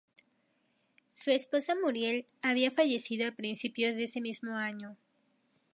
Su esposa, Muriel, había fallecido a principios de ese mismo año.